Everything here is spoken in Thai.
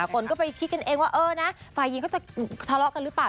คนก็ไปคิดกันเองว่าเออนะฝ่ายหญิงเขาจะทะเลาะกันหรือเปล่า